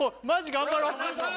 頑張ろう